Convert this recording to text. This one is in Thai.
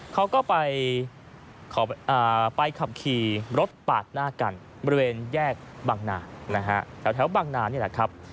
เขาก็ไปขับขี่รถปาดหน้ากันบริเวณแยกบังนานะฮะแถวบังนานี่แหละครับ